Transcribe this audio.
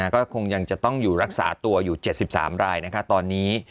ก็คงยังจะต้องอยู่รักษาตัวอยู่๗๓รายตอนนี้